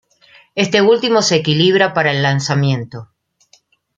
Este último se equilibra para el lanzamiento.